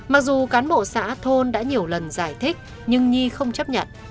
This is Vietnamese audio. mặc dù cán bộ xã thôn đã nhiều lần giải thích nhưng nhi không chấp nhận